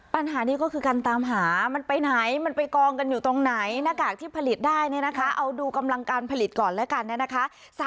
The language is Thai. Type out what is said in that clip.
ปัญหานี้ก็คือการตามหามันไปไหนมันไปกองกันอยู่ตรงไหนหน้ากากที่ผลิตได้เนี่ยนะคะเอาดูกำลังการผลิตก่อนแล้วกันเนี่ยนะคะ